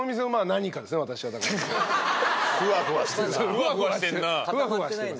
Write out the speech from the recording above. ふわふわしてます。